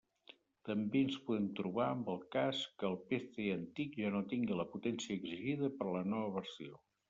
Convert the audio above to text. També ens podem trobar amb el cas que el PC antic ja no tingui la potència exigida per a la nova versió.